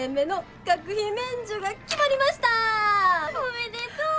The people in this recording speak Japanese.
おめでとう！